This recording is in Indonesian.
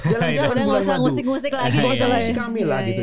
jangan jangan bulan madu